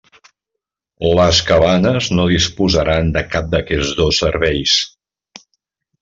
Les cabanes no disposaran de cap d'aquests dos serveis.